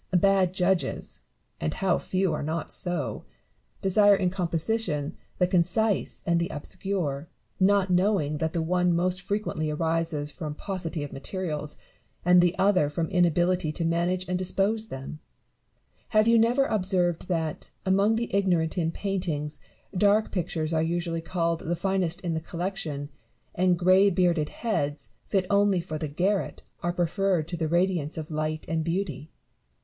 Bad judges (and how few are not so !) desire in composition the concise and the obscure, not knowing that the one most frequently arises from paucity of materials, and the other from inability to manage and dispose them. Have you never observed that, among the ignorant in painting, dark pictures are usually called the finest in the collection, and greybearded heads, fit only for the garret, are preferred to the radiance of liglit and beauty